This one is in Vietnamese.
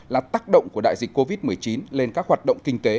là tác động của đại dịch covid một mươi chín lên các hoạt động kinh tế